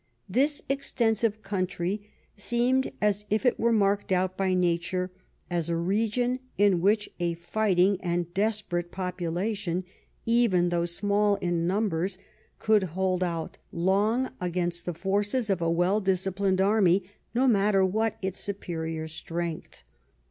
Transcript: This extensive country seemed as if it were marked out by nature as a region in which a fighting and desperate population, even though small in numbers, could hold out long against the forces of a well disciplined army, no matter what its superior strength.